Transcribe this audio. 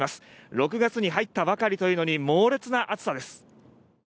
６月に入ったばかりだというのに猛烈な暑さです。